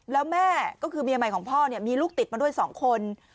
แล้วแม่ก็คือเมียใหม่ของพ่อเนี่ยมีลูกติดมาด้วย๒คน